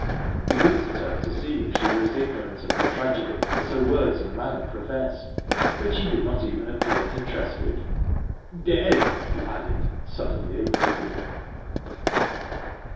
He looked at her, to see if she were as ignorant of the tragedy as her words and manner professed, but she did not even appear interested. "Dead," he added, suddenly and brutally.